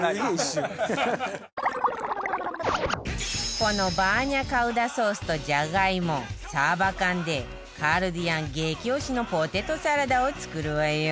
このバーニャカウダソースとジャガイモサバ缶でカルディアン激推しのポテトサラダを作るわよ